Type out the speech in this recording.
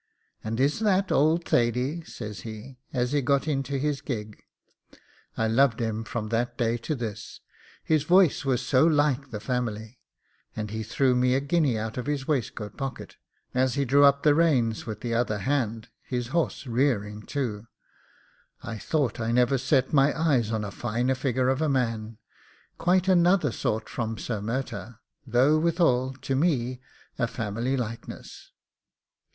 'And is that old Thady?' says he, as he got into his gig: I loved him from that day to this, his voice was so like the family; and he threw me a guinea out of his waistcoat pocket, as he drew up the reins with the other hand, his horse rearing too; I thought I never set my eyes on a finer figure of a man, quite another sort from Sir Murtagh, though withal, TO ME, a family likeness.